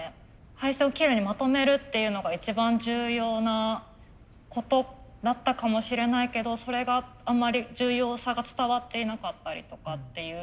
配線をきれいにまとめるっていうのが一番重要なことだったかもしれないけどそれがあまり重要さが伝わっていなかったりとかっていう。